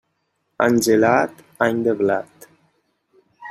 Any gelat, any de blat.